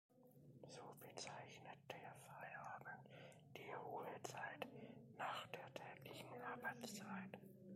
So bezeichnet der Feierabend die Ruhezeit nach der täglichen Arbeitszeit.